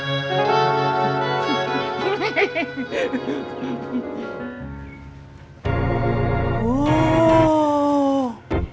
di belakang masih ada tamannya toh